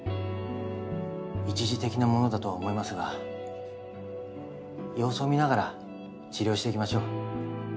一時的なものだとは思いますが様子を見ながら治療していきましょう。